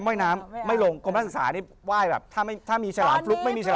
โอ้ลงทุกวัน